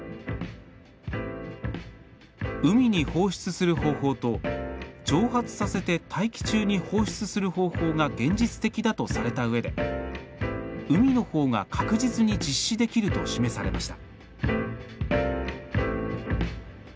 海に放出する方法と蒸発させて大気中に放出する方法が現実的だとされたうえで海のほうが確実に実施できると示されました。